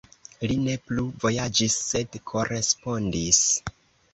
Li ne plu vojaĝis, sed korespondis.“.